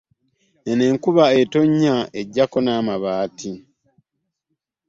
Eno enkuba etonnya ajjako n' amabaati .